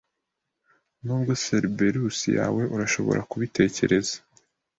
Nubwo Cerberus yawe urashobora kubitekereza